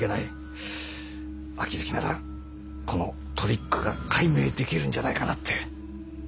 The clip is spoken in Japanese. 秋月ならこのトリックが解明できるんじゃないかなって。